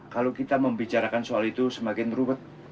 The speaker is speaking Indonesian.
kalau kita membicarakan soal itu semakin ruwet